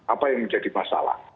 apa yang menjadi masalah